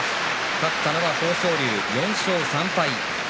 勝ったのは豊昇龍、４勝３敗。